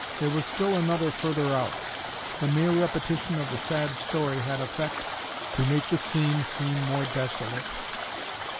There was still another further out. The mere repetition of the sad story had effect to make the scene seem more desolate.